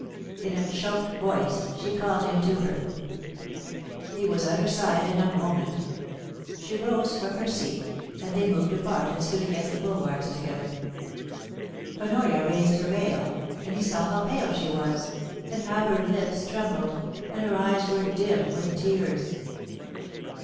In a choked voice she called him to her. He was at her side in a moment. She rose from her seat, and they moved apart and stood against the bulwarks together. THE KNOTTING OF THE THREADS. 437 Honoria raised her veil, and he saw how pale she was, and how her lips trembled, and her eyes were dim with tears.